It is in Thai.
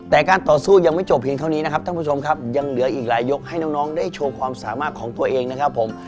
แต่การต่อสู้ยังไม่จบเพียงเท่านี้นะครับท่านผู้ชมครับยังเหลืออีกหลายยกให้น้องได้โชว์ความสามารถของตัวเองนะครับผม